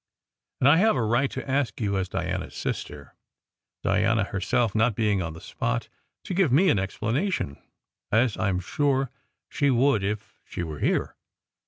And I have a right to ask you as Diana s sister, Diana herself not being on the spot, to give me an explanation, as I m sure she would if she were here.